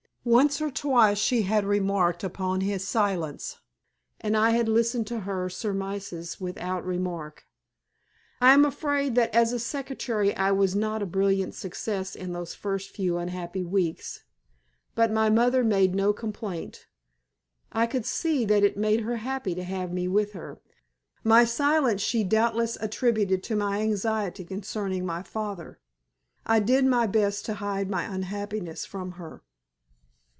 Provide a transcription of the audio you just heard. Once or twice she had remarked upon his silence, and I had listened to her surmises without remark. I am afraid that as a secretary I was not a brilliant success in those first few unhappy weeks. But my mother made no complaint. I could see that it made her happy to have me with her. My silence she doubtless attributed to my anxiety concerning my father. I did my best to hide my unhappiness from her.